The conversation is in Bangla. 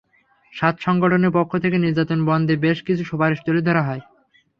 সাত সংগঠনের পক্ষ থেকে নির্যাতন বন্ধে বেশ কিছু সুপারিশ তুলে ধরা হয়।